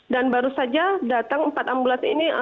dan baru saja datang empat ambulansi ini